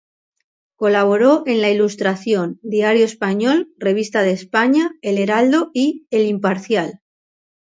Colaboró en "La Ilustración", "Diario Español", "Revista de España", "El Heraldo" y "El Imparcial".